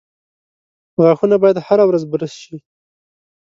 • غاښونه باید هره ورځ برس شي.